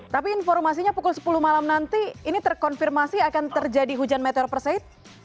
tapi informasinya pukul sepuluh malam nanti ini terkonfirmasi akan terjadi hujan meteor perseit